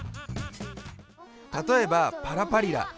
たとえばパラパリラ。